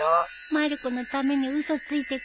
まる子のために嘘ついてくれて。